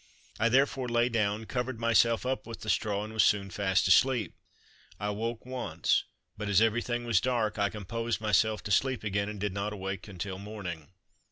I therefore lay down, covered myself up with the straw, and was soon fast asleep. I awoke once, but as everything was dark, I composed myself to sleep again and did not awake until morning.